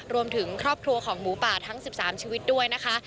รวมถึงครอบครัวของหมูป่าทั้ง๑๓ชีวิตด้วยนะคะ